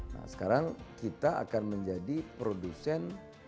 nah sekarang kita akan menjadi produsen